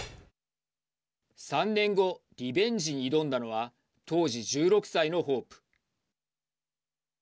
３年後、リベンジに挑んだのは当時１６歳のホープ。